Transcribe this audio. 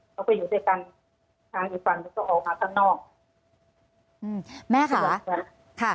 แล้วก็อยู่ด้วยกันทางอีกฝั่งหนึ่งก็ออกมาข้างนอก